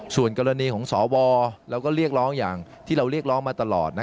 ส่วนกรณีของสวเราก็เรียกร้องอย่างที่เราเรียกร้องมาตลอด